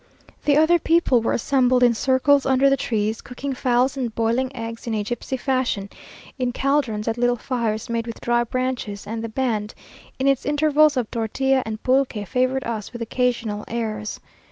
The other people were assembled in circles under the trees, cooking fowls and boiling eggs in a gipsy fashion, in caldrons, at little fires made with dry branches; and the band, in its intervals of tortilla and pulque, favoured us with occasional airs.